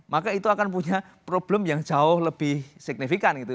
maka itu akan punya problem yang jauh lebih signifikan gitu